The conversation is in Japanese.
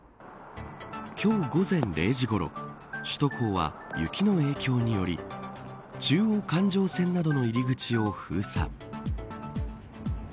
今日、午前０時ごろ首都高は雪の影響により中央環状線などの入り口を封鎖。